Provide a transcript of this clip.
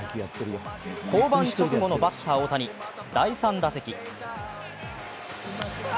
交代直後のバッター・大谷第３打席。